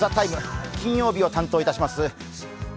金曜日を担当します